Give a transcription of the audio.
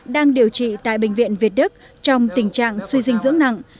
đang điều trị tại bệnh viện việt đức trong tình trạng suy dinh dưỡng nặng